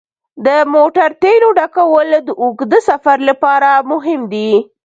د موټر تیلو ډکول د اوږده سفر لپاره مهم دي.